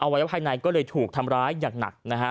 วัยวะภายในก็เลยถูกทำร้ายอย่างหนักนะฮะ